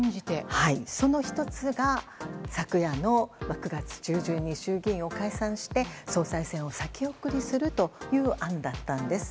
その１つが、昨夜の９月中旬に衆議院を解散して総裁選を先送りするという案だったんです。